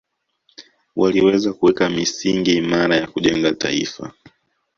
Waliweza kuweka misingi imara ya kujenga taifa